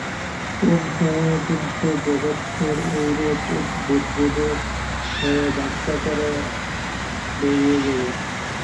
কোন সময়ে কিন্তু জগৎসুদ্ধ এইরূপ বুদ্বুদ হয়ে বাষ্পাকারে বেরিয়ে যাবে।